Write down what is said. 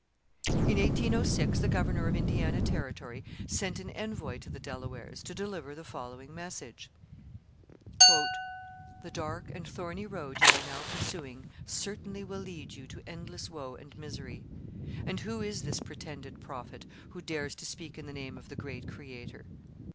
In 1806 the governor of Indiana Territory sent an envoy to the Delawares to deliver the following message: The dark and thorny road you are now pursuing certainly will lead you to endless woe and misery. And who is this pretended prophet, who dares to speak in the name of the Great Creator?